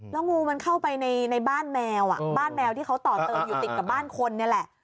แล้วงูมันเข้าไปในบ้านแมวบ้านแมวที่เขาต่อเติมอยู่ติดกับบ้านคนนี่แหละ